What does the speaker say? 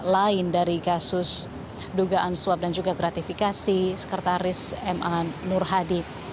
lain dari kasus dugaan suap dan juga gratifikasi sekretaris ma nur hadi